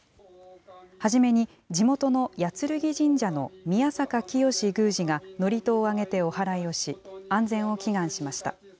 初めに、地元の八劔神社の宮坂清宮司が祝詞をあげておはらいをし、安全を祈願しました。